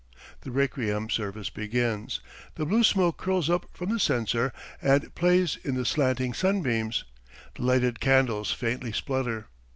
... The requiem service begins. The blue smoke curls up from the censer and plays in the slanting sunbeams, the lighted candles faintly splutter.